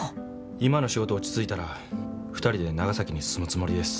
今の仕事落ち着いたら２人で長崎に住むつもりです。